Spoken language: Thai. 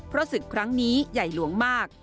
เพราะศึกครั้งนี้ใหญ่หลวงมาก